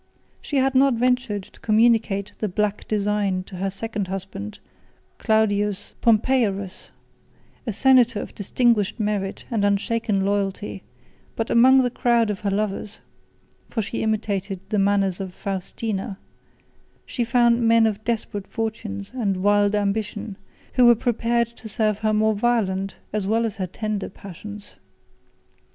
She had not ventured to communicate the black design to her second husband, Claudius Pompeiarus, a senator of distinguished merit and unshaken loyalty; but among the crowd of her lovers (for she imitated the manners of Faustina) she found men of desperate fortunes and wild ambition, who were prepared to serve her more violent, as well as her tender passions.